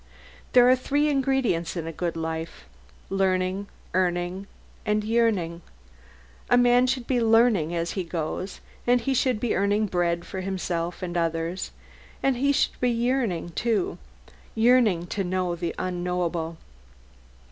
There are three ingredients in the good life: learning, earning, and yearning. A man should be learning as he goes; and he should be earning bread for himself and others; and he should be yearning, too: yearning to know the unknowable.